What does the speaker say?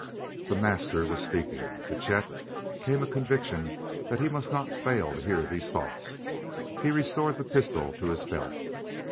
The "Master" was speaking. To Chet came a conviction that he must not fail to hear these thoughts. He restored the pistol to his belt.